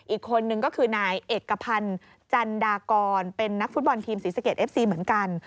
อีกคนนึงก็คือนายเอกพันธ์จันดากรเป็นนักฟุตบอลทีมศรีสะเกดเอฟซีเหมือนกัน